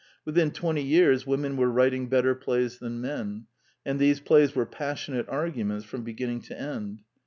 Within twenty years women were writing better plays than men; and these plays were passionate argu ments from beginning to end.